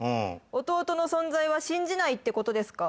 弟の存在は信じないってことですか？